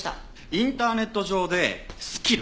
インターネット上でスキル